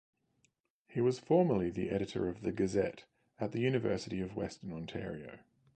He was formerly the editor of the "Gazette" at the University of Western Ontario.